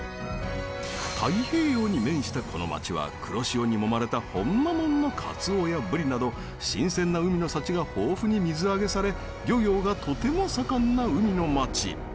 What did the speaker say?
太平洋に面したこの町は黒潮にもまれたほんまもんのカツオやブリなど新鮮な海の幸が豊富に水揚げされ漁業がとても盛んな海の町。